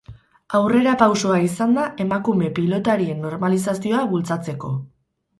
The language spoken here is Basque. Aurrerapausoa izan da emakume pilotarien normalizazioa bultzatzeko.